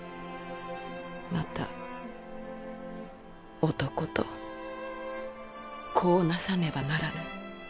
また男と子をなさねばならぬ。